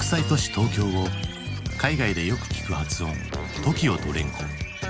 東京を海外でよく聞く発音「ＴＯＫＩＯ」と連呼。